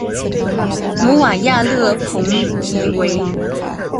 努瓦亚勒蓬提维。